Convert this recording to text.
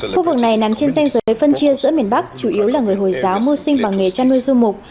khu vực này nằm trên danh giới phân chia giữa miền bắc chủ yếu là người hồi giáo mưu sinh bằng nghề chăn nuôi du mục